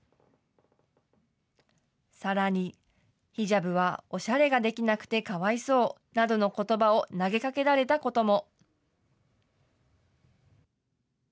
さらに、ヒジャブはおしゃれができなくてかわいそうなどのことばを投げかけられたことも。